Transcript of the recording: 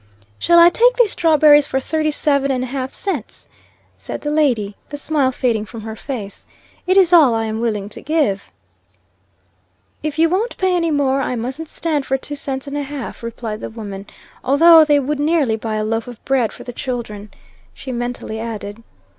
"Shall I take these strawberries for thirty seven and a half cents?" said the lady, the smile fading from her face. "It is all I am willing to give." "If you wont pay any more, I musn't stand for two cents and a half," replied the woman, "although they would nearly buy a loaf of bread for the children," she mentally added.